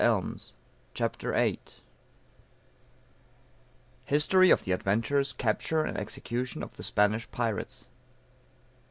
HISTORY OF THE ADVENTURES, CAPTURE AND EXECUTION OF THE SPANISH PIRATES.